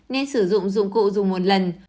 nên sử dụng dụng cụ dùng một lần